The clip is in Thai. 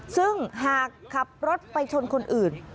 ซึ่งหากขับรถไปชนคนอื่น